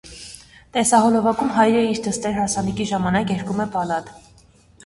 Տեսահոլովակում հայրը իր դստեր հարսանիքի ժամանակ երգում է բալլադ։